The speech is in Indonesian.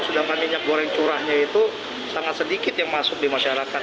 sedangkan minyak goreng curahnya itu sangat sedikit yang masuk di masyarakat